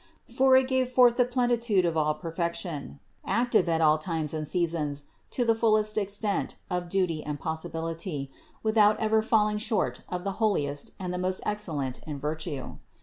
For it gave forth the plenitude of all perfec tion, active at all times and seasons to the fullest extent of duty and possibility, without ever falling short of the holiest and the most excellent in virtue.